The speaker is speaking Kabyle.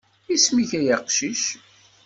Isem-ik ay aqcic.